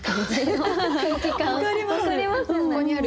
分かります。